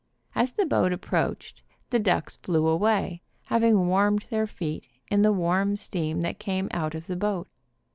As the boats approached, the ducks flew away, hav ing warmed their feet in the warm steam that came out of the boat.